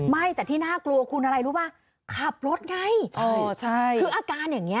ไม่แต่ที่น่ากลัวคุณอะไรรู้ป่ะขับรถไงคืออาการอย่างเงี้